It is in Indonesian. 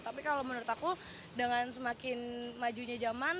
tapi kalau menurut aku dengan semakin majunya zaman